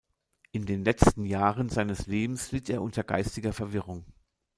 In den letzten Jahren seines Lebens litt er unter geistiger Verwirrung.